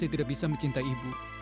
saya tidak bisa mencintai ibu